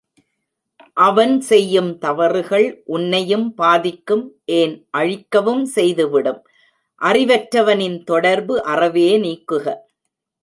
அவன் செய்யும் தவறுகள் உன்னையும் பாதிக்கும் ஏன் அழிக்கவும் செய்துவிடும் அறிவற்றவனின் தொடர்பு அறவே நீக்குக.